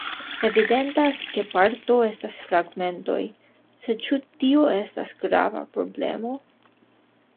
Evidentas, ke parto estas fragmentoj, sed ĉu tio estas grava problemo?